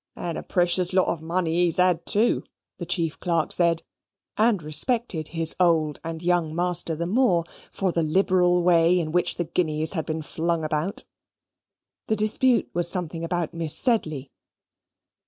"And a precious lot of money he has had too," the chief clerk said, and respected his old and young master the more, for the liberal way in which the guineas had been flung about. The dispute was something about Miss Sedley.